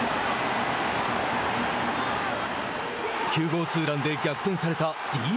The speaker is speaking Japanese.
９号ツーランで逆転されたＤｅＮＡ。